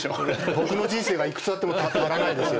僕の人生がいくつあっても足らないですよ